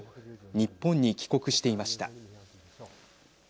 日本に帰国していました。